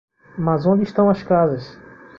Mas onde estão as casas?